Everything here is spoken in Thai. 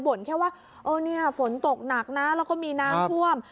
แค่ว่าเออเนี่ยฝนตกหนักนะแล้วก็มีน้ำท่วม